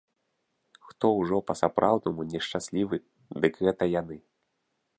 Хто ўжо па-сапраўднаму нешчаслівы, дык гэта яны.